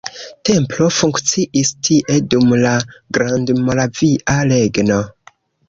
Templo funkciis tie dum la Grandmoravia Regno.